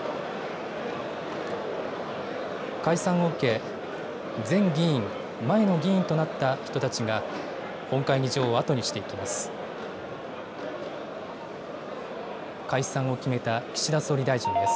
解散を受け、前議員・前の議員となった人たちが、本会議場を後にしていきます。